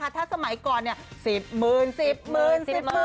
ท่าสมัยก่อน๑๐หมื่น๑๐หมื่น๑๐หมื่น